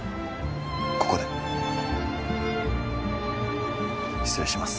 ここで失礼します